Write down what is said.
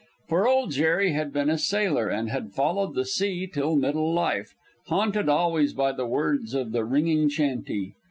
For Old Jerry had been a sailor, and had followed the sea till middle life, haunted always by the words of the ringing chantey.